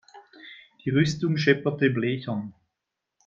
Die Rüstung schepperte blechern.